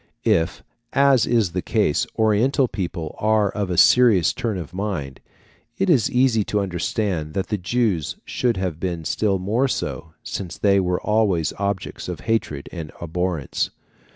If, as is the case, Oriental people are of a serious turn of mind, it is easy to understand that the Jews should have been still more so, since they were always objects of hatred and abhorrence.